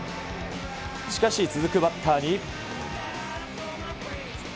しかし、続くバッターに。